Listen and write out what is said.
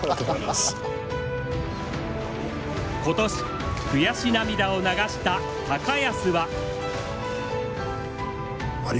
今年悔し涙を流した安は。